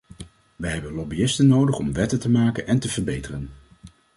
Wij hebben lobbyisten nodig om wetten te maken en te verbeteren.